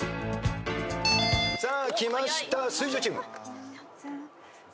さあきました水１０チーム。